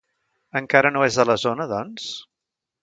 Encara no és a la zona, doncs?